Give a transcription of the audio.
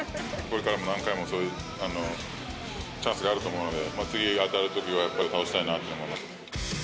これから何回もそういうチャンスがあると思うので、次、あたるときはやっぱり倒したいなと思います。